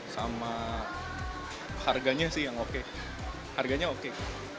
sama harganya sih yang oke harganya oke